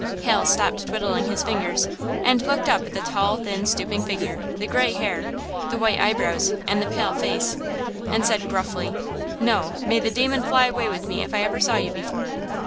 Hal stopped twiddling his fingers and looked up at the tall, thin, stooping figure, the gray hair, the white eyebrows and the pale face, and said gruffly: "No! May the demon fly away with me if I ever saw you before!"